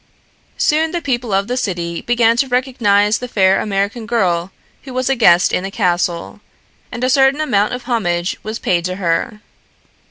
Soon the people of the city began to recognize the fair American girl who was a guest in the castle, and a certain amount of homage was paid to her.